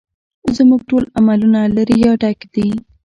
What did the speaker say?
زموږ ټول عملونه له ریا ډک دي